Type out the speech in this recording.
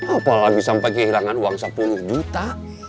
apalagi sampai kehilangan uang sepuluh juta